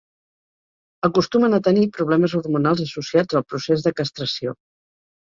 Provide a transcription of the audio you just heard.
Acostumen a tenir problemes hormonals associats al procés de castració.